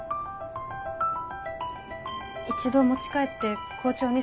一度持ち帰って校長に相談。